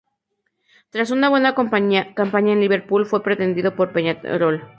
Tras una buena campaña en Liverpool, fue pretendido por Peñarol.